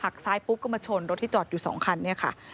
ซ้ายปุ๊บก็มาชนรถที่จอดอยู่๒คันเนี่ยค่ะ